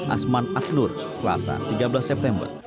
asman aknur selasa tiga belas september